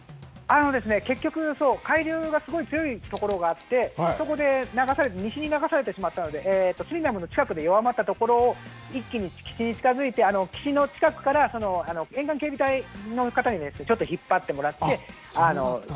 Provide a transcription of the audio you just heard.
結局、海流がすごい強い所があって、そこで流されて、西に流されてしまったので、スリナムの近くで弱まった所を、一気に近づいて、岸の近くから、沿岸警備隊の方にちょっと引っ張